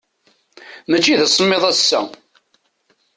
Mačči d asemmiḍ ass-a.